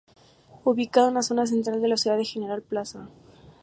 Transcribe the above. Ubicado en la zona central de la ciudad de General Plaza.